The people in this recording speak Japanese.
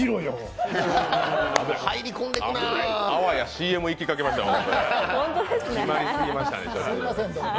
あわやＣＭ行きかけました。